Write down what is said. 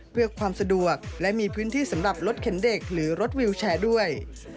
เพื่อความสะดวกและมีพื้นที่สำหรับรถเข็นเด็กหรือรถวิวแชร์ด้วย